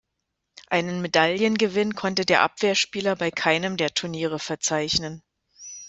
Einen Medaillengewinn konnte der Abwehrspieler bei keinem der Turniere verzeichnen.